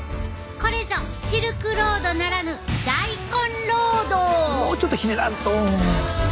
これぞシルクロードならぬもうちょっとひねらんと。